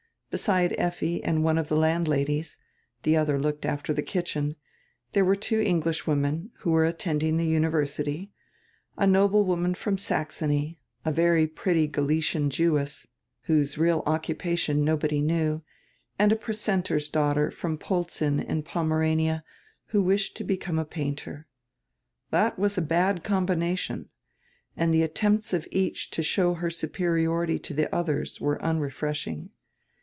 Beside Effi and one of die landladies — the odier looked after die kitchen — tiiere were two Englishwomen, who were attending die university, a noblewoman from Saxony, a very pretty Galician Jewess, whose real occupation nobody knew, and a precentor's daughter from Polzin in Pomerania, who wished to become a painter. That was a bad combination, and die attempts of each to show her superiority to die odiers were unrefreshing.